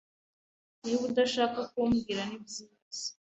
Niba udashaka kumbwira, nibyiza.